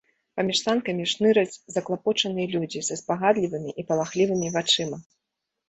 Паміж санкамі шныраць заклапочаныя людзі са спагадлівымі і палахлівымі вачыма.